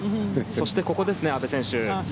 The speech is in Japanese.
そしてここですね阿部選手。